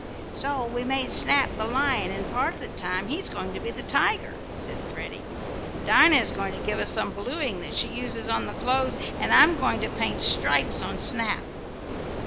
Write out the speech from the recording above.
"So we made Snap the lion, and part of the time he's going to be the tiger," said Freddie. "Dinah is going to give us some blueing that she uses on the clothes, and I'm going to paint stripes on Snap."